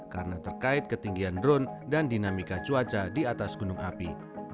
karena terkait ketinggian drone dan dinamika cuaca di atas gunung api